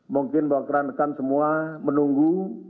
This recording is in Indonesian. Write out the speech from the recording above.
mungkin bahwa keranekan semua menunggu